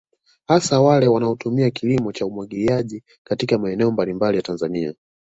Hasa wale wanaotumia kilimo cha umwagiliaji katika maeneo mbalimbali ya Tanzania